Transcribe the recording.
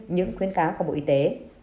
những khuyến cáo của bộ y tế